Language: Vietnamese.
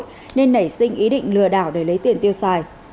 thành xin ý định lừa đảo để lấy tiền tiêu xài